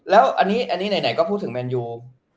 แล้วอันนี้ไหนก็พูดถึงแมนยู